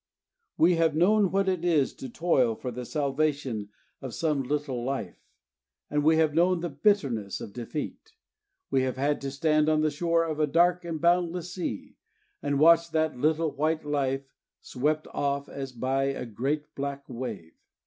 We have known what it is to toil for the salvation of some little life, and we have known the bitterness of defeat. We have had to stand on the shore of a dark and boundless sea, and watch that little white life swept off as by a great black wave.